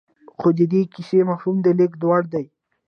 خو د دې کيسې مفهوم د لېږد وړ دی.